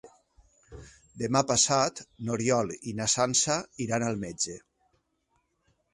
Demà passat n'Oriol i na Sança iran al metge.